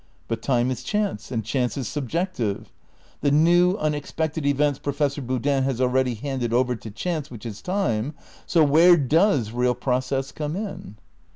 But time is chance and chance is subjective. The new, unexpected events Professor Boodin has already handed over to chance which is time, so where does real process come in?